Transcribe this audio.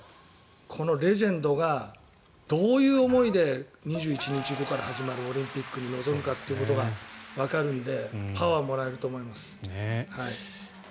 このレジェンドがどういう思いで２１日後から始まるオリンピックに臨むかっていうことがわかるのでパワーをもらえると思います。